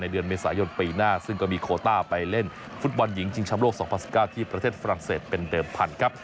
เดือนเมษายนปีหน้าซึ่งก็มีโคต้าไปเล่นฟุตบอลหญิงชิงชำโลก๒๐๑๙ที่ประเทศฝรั่งเศสเป็นเดิมพันธุ์ครับ